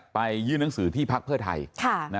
ยื่นหนังสือที่พักเพื่อไทย